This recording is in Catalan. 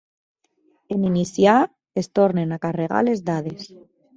En iniciar, es tornen a carregar les dades.